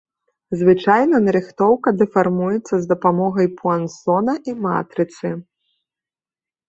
Звычайна нарыхтоўка дэфармуецца з дапамогай пуансона і матрыцы.